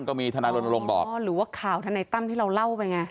ก็มีทนายรณรงค์บอกอ๋อหรือว่าข่าวทนายตั้มที่เราเล่าไปไง